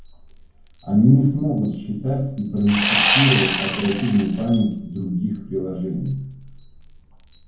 Они не смогут считать и проинспектировать оперативную память других приложений